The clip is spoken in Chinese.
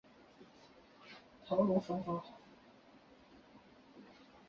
头颅骨位在短颈部上。